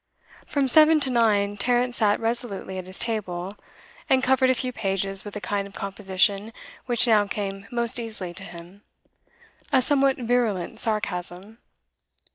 From seven to nine Tarrant sat resolutely at his table, and covered a few pages with the kind of composition which now came most easily to him, a somewhat virulent sarcasm.